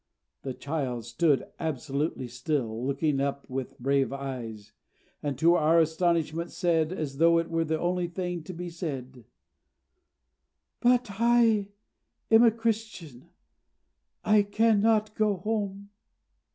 The child stood absolutely still, looking up with brave eyes; and to our astonishment said, as though it were the only thing to be said: "But I am a Christian. I cannot go home."